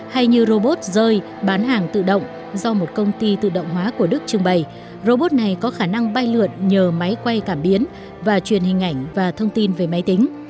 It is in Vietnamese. hay như robot rơi bán hàng tự động do một công ty tự động hóa của đức trưng bày robot này có khả năng bay lượn nhờ máy quay cảm biến và truyền hình ảnh và thông tin về máy tính